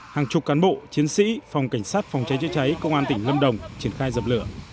hàng chục cán bộ chiến sĩ phòng cảnh sát phòng cháy chữa cháy công an tỉnh lâm đồng triển khai dập lửa